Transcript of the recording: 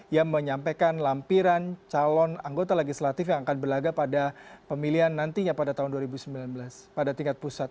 yang menyampaikan lampiran calon anggota legislatif yang akan berlagak pada pemilihan nantinya pada tahun dua ribu sembilan belas pada tingkat pusat